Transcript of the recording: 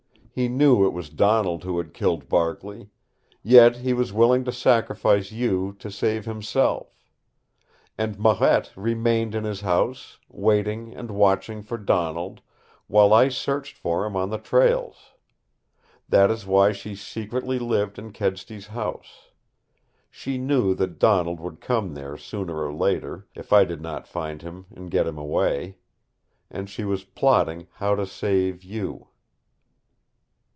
He knew it was Donald who had killed Barkley. Yet he was willing to sacrifice you to save himself. And Marette remained in his house, waiting and watching for Donald, while I searched for him on the trails. That is why she secretly lived in Kedsty's house. She knew that Donald would come there sooner or later, if I did not find him and get him away. And she was plotting how to save you.